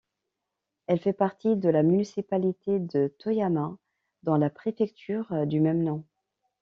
Il fait partie de la municipalité de Toyama, dans la préfecture du même nom.